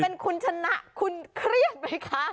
เป็นคุณชนะคุณเครียดไหมคะ